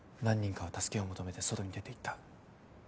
何人かは助けを求めて外に出て行った。